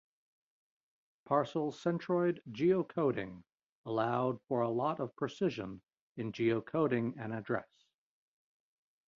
Parcel-centroid geocoding allowed for a lot of precision in geocoding an address.